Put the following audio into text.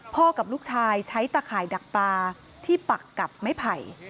กับลูกชายใช้ตะข่ายดักปลาที่ปักกับไม้ไผ่